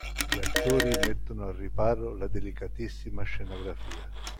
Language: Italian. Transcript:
Gli attori mettono al riparo la delicatissima scenografia.